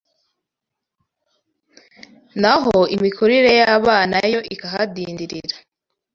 naho imikurire y’abana yo ikahadindirira.